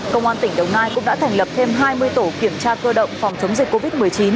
công an tỉnh đồng nai cũng đã thành lập thêm hai mươi tổ kiểm tra cơ động phòng chống dịch covid một mươi chín